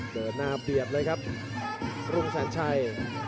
เกิดหน้าเปรียบเลยครับรุ่งสันชัย